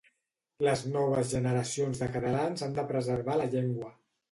Les noves generacions de catalans han de preservar la llengua.